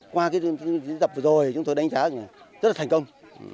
qua cái diễn tập vừa rồi chúng tôi đánh giá là rất là thành công